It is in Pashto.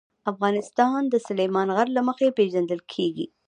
افغانستان د سلیمان غر له مخې پېژندل کېږي.